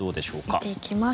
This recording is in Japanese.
見ていきます。